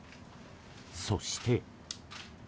そして。